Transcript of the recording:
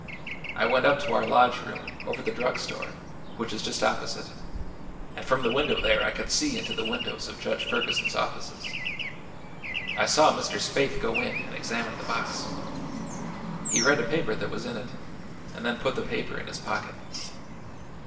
I went up to our lodge room, over the drug store, which is just opposite, and from the window there I could see into the windows of Judge Ferguson's offices. I saw Mr. Spaythe go in and examine the box. He read a paper that was in it and then put the paper in his pocket.